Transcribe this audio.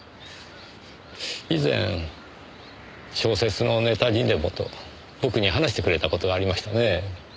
以前小説のネタにでもと僕に話してくれた事がありましたねえ。